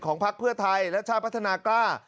พักเพื่อไทยและชาติพัฒนากล้า